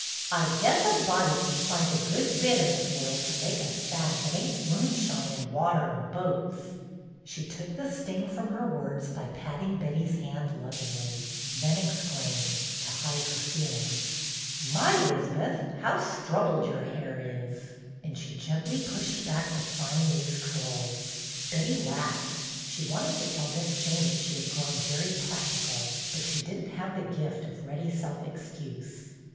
"I guess a body can find a good bit in this world to make us sad that ain't moonshine and water and boats." She took the sting from her words by pat THE TWINE WASH RAG 163 ting Betty's hand lovingly, then exclaimed, to hide her feelings: ''My, 'Liz'beth, how strubbled your hair is!" and she gently pushed back the fine, loose curls. Betty laughed. She wanted to tell Miss Jane that she had grown very practical, but she did n't have the gift of ready self excuse.